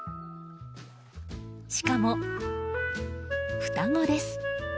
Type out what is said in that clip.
しかも双子です。